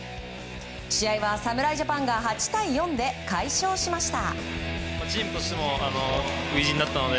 試合は侍ジャパンが８対４で快勝しました。